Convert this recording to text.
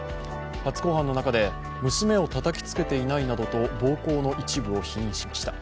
初公判の中で娘をたたきつけていないなどと暴行の一部を否認しました。